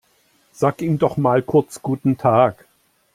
Sag ihm doch mal kurz guten Tag.